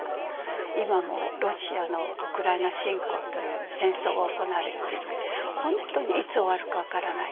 今もロシアのウクライナ侵攻という戦争が行われて本当にいつ終わるか分からない。